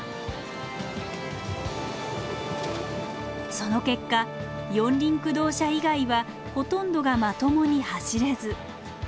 その結果四輪駆動車以外はほとんどがまともに走れず。